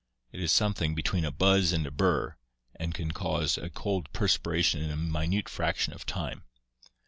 It is something between a buzz and a burr, and can cause a cold perspiration in a minute fraction of time.